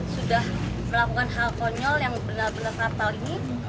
sudah melakukan hal konyol yang benar benar fatal ini